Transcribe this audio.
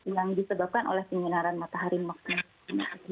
yang disebabkan oleh penyinaran matahari maksimal